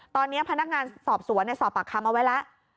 ตอนนี้พนักงานสอบสวนสอบปากคำเอาไว้แล้ว